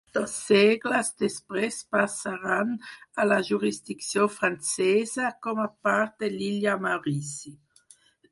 Dos segles després passaren a la jurisdicció francesa, com a part de l'illa Maurici.